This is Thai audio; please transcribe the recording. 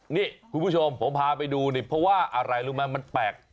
นี่คุณผู้ชมผมพาไปดูนี่เพราะว่าอะไรรู้ไหมมันแปลก